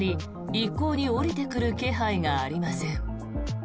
一向に下りてくる気配がありません。